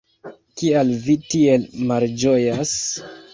Kial vi tiel malĝojas?